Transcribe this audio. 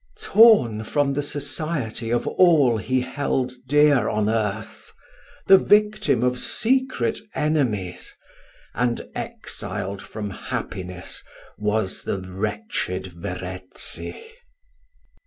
Torn from the society of all he held dear on earth, the victim of secret enemies, and exiled from happiness, was the wretched Verezzi!